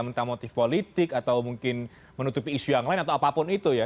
entah motif politik atau mungkin menutupi isu yang lain atau apapun itu ya